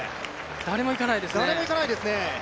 誰も行かないですね。